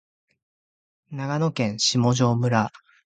長野県下條村